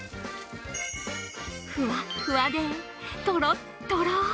ふわっふわでとろっとろ！